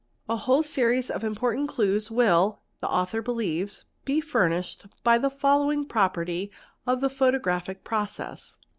_A whole series of important clues will, the author believes, be furnished by the following property of the photographic process.